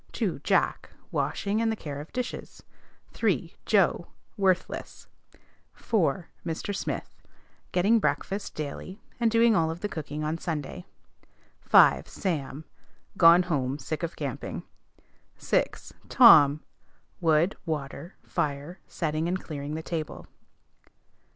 2. Jack. Washing and the care of dishes. 3. Joe. (Worthless.) 4. Mr. Smith. Getting breakfast daily, and doing all of the cooking on Sunday. 5. Sam. (Gone home, sick of camping.) 6. Tom. Wood, water, fire, setting and clearing table.